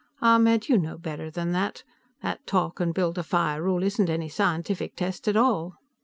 "Ahmed, you know better than that. That talk and build a fire rule isn't any scientific test at all."